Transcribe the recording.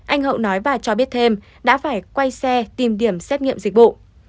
anh hậu nói và cho biết thêm đã phải quay xe tìm điểm xét nghiệm dịch vụ